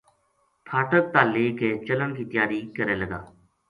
پھاٹک تا لے کے چلن کی تیاری کرے لگا